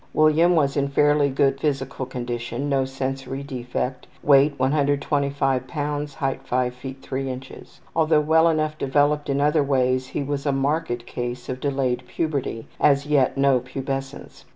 William was in fairly good physical condition. No sensory defect. Weight 125 lbs.; height 5 ft. 3 in. Although well enough developed in other ways he was a marked case of delayed puberty; as yet no pubescence.